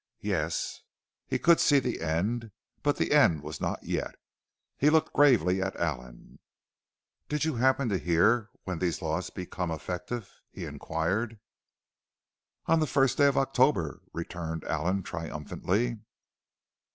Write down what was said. Yes, he could see the end, but the end was not yet. He looked gravely at Allen. "Did you happen to hear when these laws become effective?" he inquired. "On the first day of October!" returned Allen, triumphantly.